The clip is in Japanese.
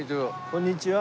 こんにちは。